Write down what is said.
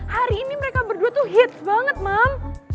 hari ini mereka berdua tuh hits banget mal